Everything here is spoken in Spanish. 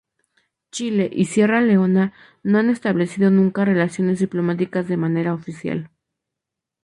Chile y Sierra Leona no han establecido nunca relaciones diplomáticas de manera oficial.